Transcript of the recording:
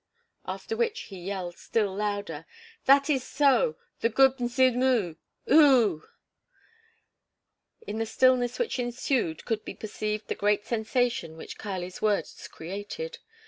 '" After which he yelled still louder: "That is so! The Good Mzimu! Ooo!" In the stillness which ensued could be perceived the great sensation which Kali's words created.